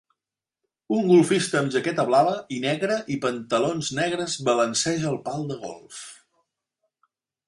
Un golfista amb jaqueta blava i negra i pantalons negres balanceja el pal de golf.